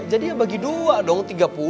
jadi ya bagi dua dong